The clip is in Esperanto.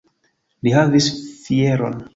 Li havis fieron!